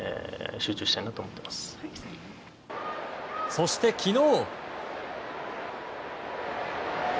そして、昨日。